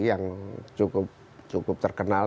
yang cukup terkenal